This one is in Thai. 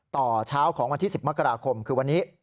ต่อเช้าของวันที่๑๐มกราคมคือวันนี้